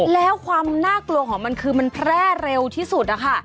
แล้วความน่ากลัวของมันคือมันแพร่เร็วที่สุดนะคะ